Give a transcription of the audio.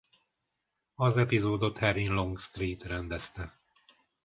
Az epizódot Harry Longstreet rendezte.